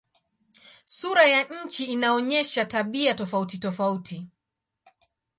Sura ya nchi inaonyesha tabia tofautitofauti.